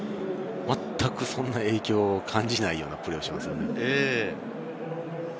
まったく、そんな影響を感じないようなプレーをしています。